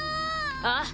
ああ。